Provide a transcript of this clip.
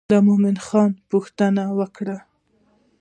د مومن خان پوښتنه یې وکړه.